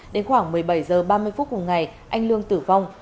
đến khoảng một mươi bảy h ba mươi phút cùng ngày anh lương tử vong